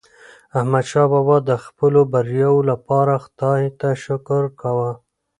احمدشاه بابا د خپلو بریاوو لپاره خداي ته شکر کاوه.